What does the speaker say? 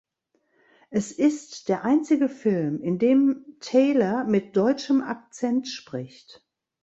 Es ist der einzige Film, in dem Taylor mit deutschem Akzent spricht.